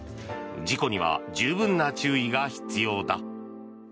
事故には十分な注意が必要だ。